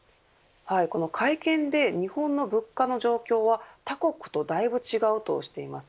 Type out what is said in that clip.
この会見で日本の物価の状況は他国とだいぶ違うとしています。